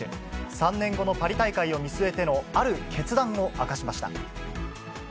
３年後のパリ大会を見据えてのある決断を明かしました。